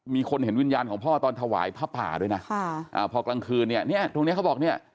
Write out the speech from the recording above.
มีคนเห็นวิญญาณของพ่อตอนถวายผ้าป่าด้วยนะค่ะอ่าพอกลางคืนเนี่ยเนี้ยตรงเนี้ยเขาบอกเนี่ย